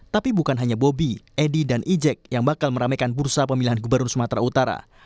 tapi bukan hanya bobi edi dan ijek yang bakal meramaikan bursa pemilihan gubernur sumatera utara